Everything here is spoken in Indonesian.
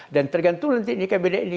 dan tergantung nanti ini kan beda ini